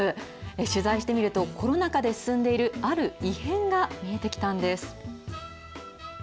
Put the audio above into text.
取材してみると、コロナ禍で進んでいるある異変が見えてきたんです。